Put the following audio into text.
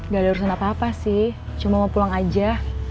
gak ada urusan apa apa sih cuma mau pulang aja